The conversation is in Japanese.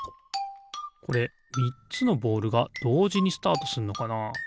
これみっつのボールがどうじにスタートすんのかな？